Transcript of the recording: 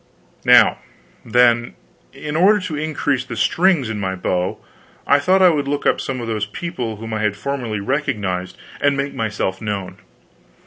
Now, then, in order to increase the strings to my bow, I thought I would look up some of those people whom I had formerly recognized, and make myself known.